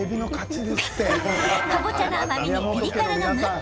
かぼちゃの甘みにピリ辛がマッチ。